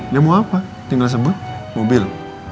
ya mau apa tinggal sembun mobil